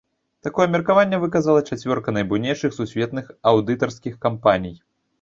Такое меркаванне выказала чацвёрка найбуйнейшых сусветных аўдытарскіх кампаній.